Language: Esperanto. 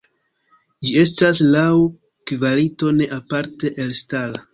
Ĝi estas laŭ kvalito ne aparte elstara.